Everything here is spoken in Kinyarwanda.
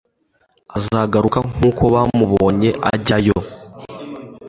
azagaruka nk'uko bamubonye ajyayo."